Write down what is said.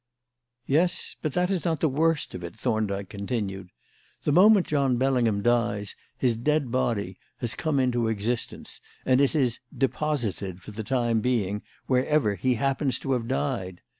"Yes, but that is not the worst of it," Thorndyke continued. "The moment John Bellingham dies, his dead body has come into existence; and it is 'deposited' for the time being, wherever he happens to have died.